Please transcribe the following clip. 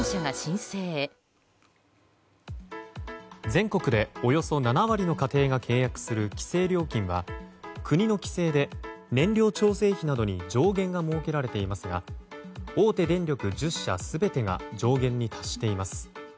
全国でおよそ７割の家庭が契約する規制料金は国の規制で燃料調整費などに上限が設けられていますが大手電力１０社全てが上限に達しています。